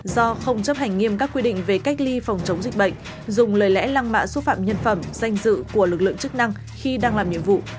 do không chấp hành nghiêm các quy định về cách ly phòng chống dịch bệnh dùng lời lẽ lăng mạ xúc phạm nhân phẩm danh dự của lực lượng chức năng khi đang làm nhiệm vụ